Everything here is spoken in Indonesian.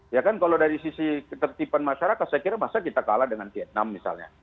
ya kan kalau dari sisi ketertiban masyarakat saya kira masa kita kalah dengan vietnam misalnya